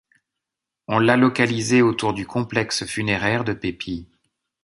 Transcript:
On l'a localisée autour du complexe funéraire de Pépi.